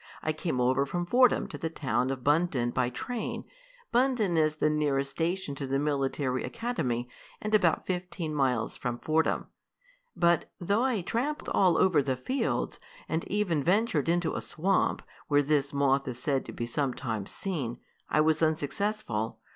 I came over from Fordham to the town of Bundton by train. Bundton is the nearest station to the military academy, and about fifteen miles from Fordham. "But though I tramped all over the fields, and even ventured into a swamp, where this moth is said to be sometimes seen, I was unsuccessful.